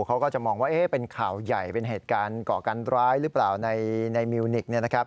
เขาก็จะมองว่าเป็นข่าวใหญ่เป็นเหตุการณ์ก่อการร้ายหรือเปล่าในมิวนิกเนี่ยนะครับ